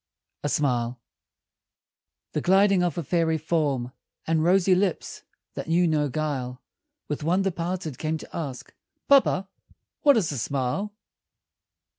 A SMILE The gliding of a fairy form And rosy lips that knew no guile, With wonder parted, came to ask, "Papa, what is a smile?"